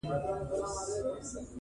• اعتبار نه په خندا نه په ژړا سته -